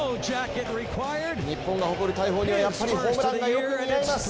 日本が誇る大砲にはやっぱりホームランがよく似合います。